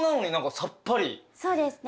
そうですね。